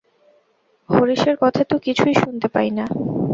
হরিশের কথা তো কিছুই শুনতে পাই না।